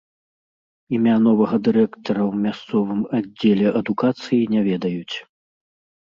Імя новага дырэктара ў мясцовым аддзеле адукацыі не ведаюць.